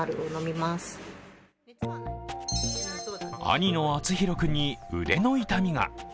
兄の淳史君に腕の痛みが。